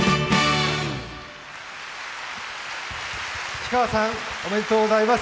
氷川さん、おめでとうございます。